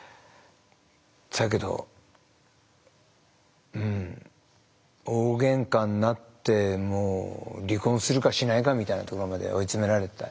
だけどうん大げんかになってもう離婚するかしないかみたいなところまで追い詰められて。